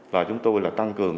là chúng tôi tăng cường